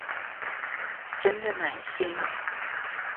真的暖心啊